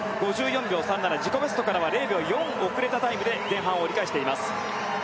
自己ベストからは０秒４遅れたタイムで前半折り返している。